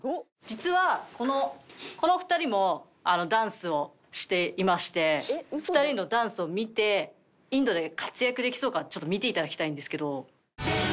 実はこの２人もダンスをしていまして２人のダンスを見てインドで活躍できそうかちょっと見ていただきたいんですけど。